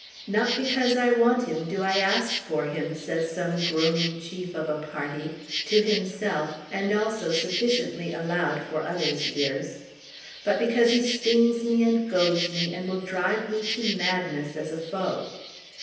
"Not because I want him, do I ask for him," says some groaning chief of a party, to himself, and also sufficiently aloud for others' ears, "but because he stings me and goads me, and will drive me to madness as a foe."